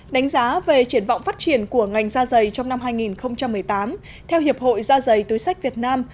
đánh giá về triển vọng phát triển của ngành da dày trong năm hai nghìn một mươi tám theo hiệp hội da dày túi sách việt nam